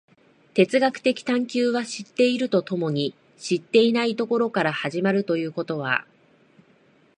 哲学的探求は知っていると共に知っていないところから始まるということは、